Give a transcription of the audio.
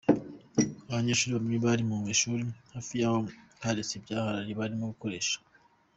Abanyeshuri bamwe bari mu ishuri hafi yabo hateretse ibyarahani barimo gukoresha.